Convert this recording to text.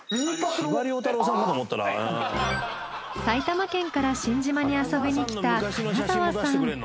埼玉県から新島に遊びにきた金澤さん。